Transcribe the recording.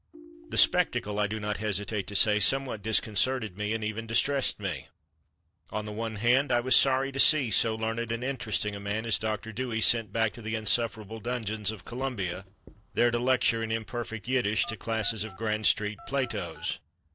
The spectacle, I do not hesitate to say, somewhat disconcerted me and even distressed me. On the one hand, I was sorry to see so learned and interesting a man as Dr. Dewey sent back to the insufferable dungeons of Columbia, there to lecture in imperfect Yiddish to classes of Grand Street Platos.